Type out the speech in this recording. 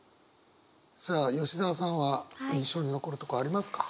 さあ吉澤さんは印象に残るとこありますか？